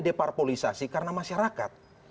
deparpolisasi karena masyarakat